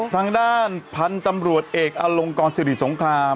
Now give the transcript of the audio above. ทางด้านพันธุ์ตำรวจเอกอลงกรสิริสงคราม